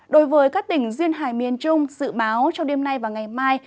đối với các tỉnh duyên hải miền trung dự báo trong đêm nay và ngày mai